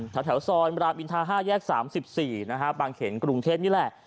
แถวซอยรามอินทา๕แยก๓๔บางเขนกรุงเทพนี่แหละ